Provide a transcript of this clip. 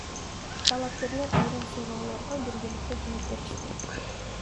Талапкерлер айрым суроолорго биргеликте жооп беришти.